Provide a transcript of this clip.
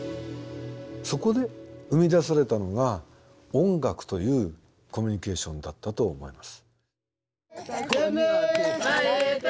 そこで生み出されたのが音楽というコミュニケーションだったと思います。